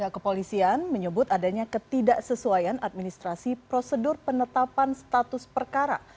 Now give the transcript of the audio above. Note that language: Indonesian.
kepolisian menyebut adanya ketidaksesuaian administrasi prosedur penetapan status perkara